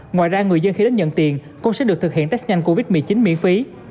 ngoài ra người dân khi đến nhận tiền cũng sẽ được thực hiện test nhanh covid một mươi chín miễn phí